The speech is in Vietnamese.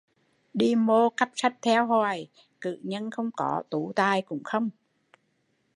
Đi mô cắp sách theo hoài, cử nhân không có, tú tài cũng không